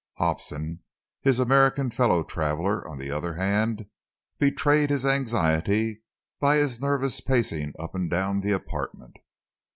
Hobson, his American fellow traveler, on the other hand, betrayed his anxiety by his nervous pacing up and down the apartment.